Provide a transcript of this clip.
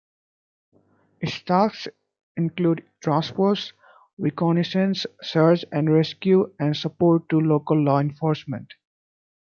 Its tasks include transport, reconnaissance, search and rescue, and support to local law enforcement.